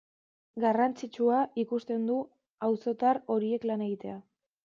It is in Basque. Garrantzitsua ikusten du auzotar horiekin lan egitea.